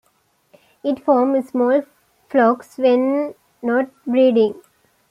It forms small flocks when not breeding.